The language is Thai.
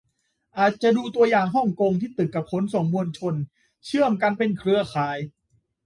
อาจจะดูตัวอย่างฮ่องกง ที่ตึกกับขนส่งมวลชนเชื่อมกันเป็นเครือข่าย